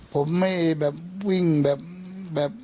ผมไม่แบบวิ่งแบบ